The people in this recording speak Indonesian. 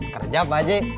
kerja apa aja